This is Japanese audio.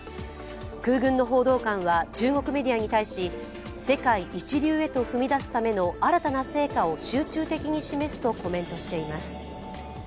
空軍の報道官は中国メディアに対し、世界一流へと踏み出すための新たな成果を集中的に示すとコメントしています。